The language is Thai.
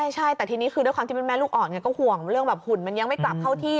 ใช่แต่ทีนี้คือด้วยความที่เป็นแม่ลูกอ่อนก็ห่วงเรื่องแบบหุ่นมันยังไม่กลับเข้าที่